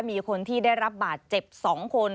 มีคนที่ได้รับบาดเจ็บ๒คน